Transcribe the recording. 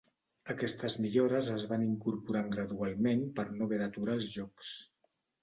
Aquestes millores es van incorporant gradualment per no haver d'aturar els jocs.